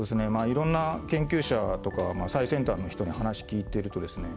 いろんな研究者とか最先端の人に話聞いているとですね